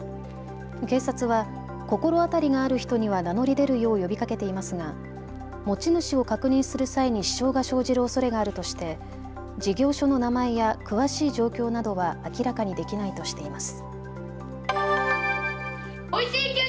警察は心当たりがある人には名乗り出るよう呼びかけていますが持ち主を確認する際に支障が生じるおそれがあるとして事業所の名前や詳しい状況などは明らかにできないとしています。